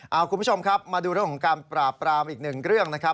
เอาคุณผู้ชมครับมาดูเรื่องของการปราบปรามอีกหนึ่งเรื่องนะครับ